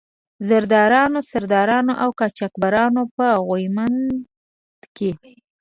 زردارانو، سردارانو او قاچاق برانو په غويمند کې.